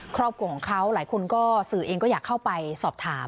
ครอบครัวของเขาหลายคนก็สื่อเองก็อยากเข้าไปสอบถาม